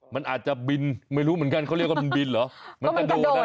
มันอาจจะบินไม่รู้เหมือนกันเขาเรียกว่ามันบินเหรอ